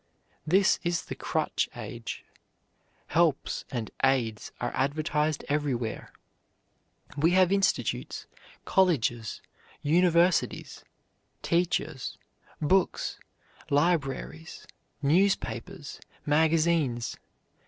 This is the crutch age. "Helps" and "aids" are advertised everywhere. We have institutes, colleges, universities, teachers, books, libraries, newspapers, magazines.